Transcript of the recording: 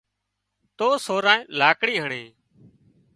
تو سورئي لاڪڙي هڻي